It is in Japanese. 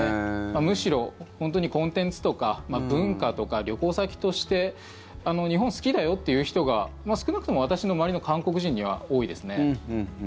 むしろ本当にコンテンツとか文化とか旅行先として日本好きだよっていう人が少なくとも私の周りの韓国人には多いですね。